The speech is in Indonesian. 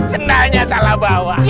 sendalnya salah bawa